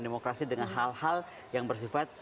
demokrasi dengan hal hal yang bersifat